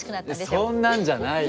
そんなんじゃないよ。